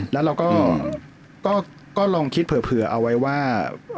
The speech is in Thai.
แล้วเราก็ลองคิดเผื่อเอาไว้ว่า